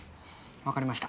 わかりました。